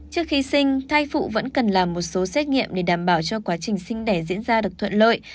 trước khi sinh thai phụ vẫn cần làm một số xét nghiệm để đảm bảo cho quá trình sinh đẻ diễn ra được thuận lợi